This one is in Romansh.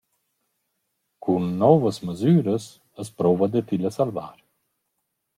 Cun nouvas masüras as prouva da tilla salvar.